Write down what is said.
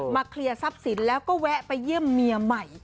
เคลียร์ทรัพย์สินแล้วก็แวะไปเยี่ยมเมียใหม่